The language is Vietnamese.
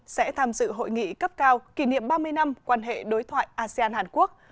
sẽ tham dự hội nghị cấp cao kỷ niệm ba mươi năm quan hệ đối thoại asean hàn quốc